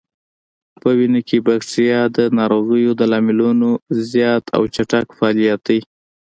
په وینه کې بکتریا د ناروغیو د لاملونو زیات او چټک فعالیت دی.